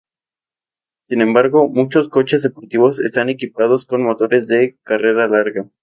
Sin embargo, muchos coches deportivos están equipados con motores de carrera larga.